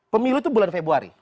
pemilu itu bulan februari